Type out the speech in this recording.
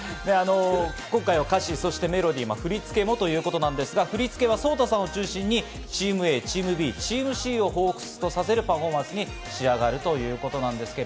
今回歌詞、メロディー、振り付けもということですが、振り付けはＳＯＴＡさんを中心にチームＡ、チームＢ、チームＣを彷彿とさせるパフォーマンスに仕上がるということです。